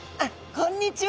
こんにちは！